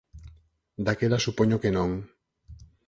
Daquela supoño que non.